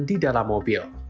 di dalam mobil